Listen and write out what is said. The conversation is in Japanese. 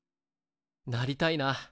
なりたいな。